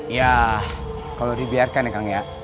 ya kalau dibiarkan ya kang ya